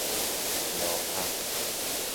لاحق